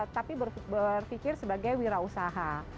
tapi berpikir sebagai wira usaha